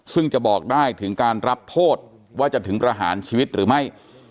ซึ่งจะบอกได้ถึงการรับโทษว่าจะถึงประหารชีวิตหรือไม่